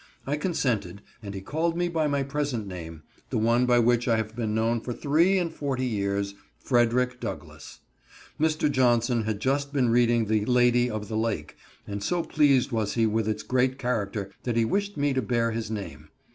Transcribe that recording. I consented, and he called me by my present name—the one by which I have been known for three and forty years—Frederick Douglass. Mr. Johnson had just been reading the "Lady of the Lake," and so pleased was he with its great character that he wished me to bear his name.